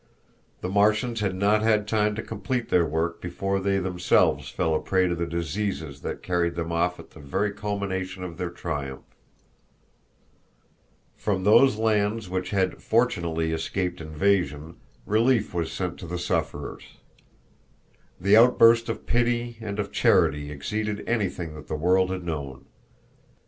The Martians had not had time to complete their work before they themselves fell a prey to the diseases that carried them off at the very culmination of their triumph. From those lands which had, fortunately, escaped invasion, relief was sent to the sufferers. The outburst of pity and of charity exceeded anything that the world had known.